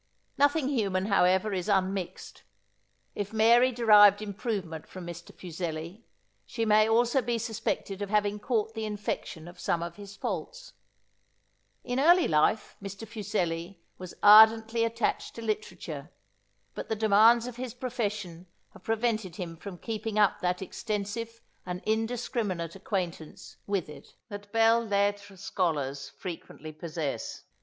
Nothing human however is unmixed. If Mary derived improvement from Mr. Fuseli, she may also be suspected of having caught the infection of some of his faults. In early life Mr. Fuseli was ardently attached to literature; but the demands of his profession have prevented him from keeping up that extensive and indiscriminate acquaintance with it, that belles lettres scholars frequently possess.